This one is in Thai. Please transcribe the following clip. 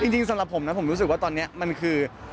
จริงสำหรับผมนะผมรู้สึกว่าตอนนี้มันคือ